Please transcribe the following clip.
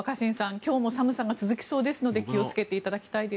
今日も寒さが続きそうですので気をつけていただきたいです。